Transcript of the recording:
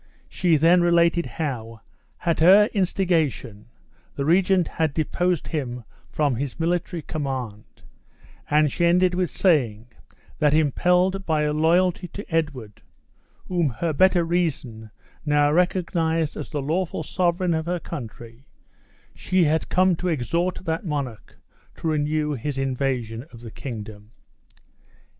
She then related how, at her instigation, the regent had deposed him from his military command, and she ended with saying, that impelled by loyalty to Edward (whom her better reason now recognized as the lawful sovereign of her country), she had come to exhort that monarch to renew his invasion of the kingdom.